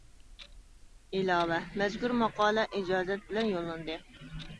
ئىلاۋە: مەزكۇر ماقالە ئىجازەت بىلەن يوللاندى.